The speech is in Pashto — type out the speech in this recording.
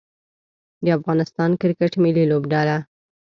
د افغانستان کرکټ ملي لوبډله